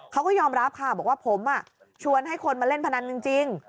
เขาก็ยอมรับค่ะบอกว่าผมชวนให้คนมาเล่นพนันจริง